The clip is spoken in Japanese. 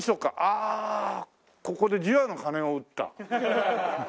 ああここで除夜の鐘を打った？